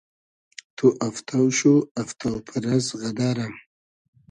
تو افتۆ شو , افتۆ پئرئس غئدئرۂ